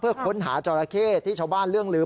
เพื่อค้นหาจราเข้ที่ชาวบ้านเรื่องลืม